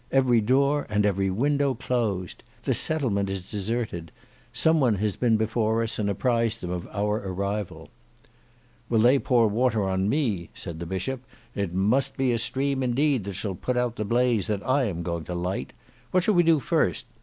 "Every door and every window closed! The settlement is deserted. Some one has been before us and apprised them of our arrival." "Will they pour water on me?" said the Bishop. "It must be a stream indeed that shall put out the blaze that I am going to light. What shall we do first?